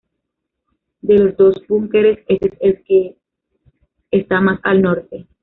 De los dos búnkeres, este es el que está más al norte.